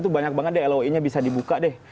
itu banyak banget deh loi nya bisa dibuka deh